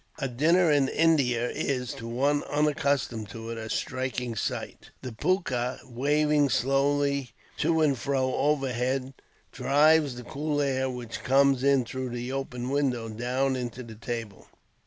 A dinner in India is, to one unaccustomed to it, a striking sight. The punkah waving slowly to and fro, overhead, drives the cool air which comes in through the open windows down upon the table.